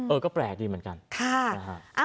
เออก็แปลกดีเหมือนกัน